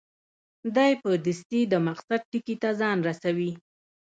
دی په دستي د مقصد ټکي ته ځان رسوي.